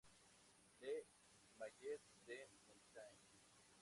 Le Mayet-de-Montagne